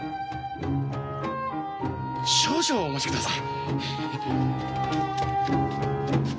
少々お待ちください。